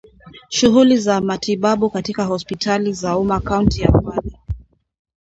Shughuli za matibabu katika hospitali za umma kaunti ya Kwale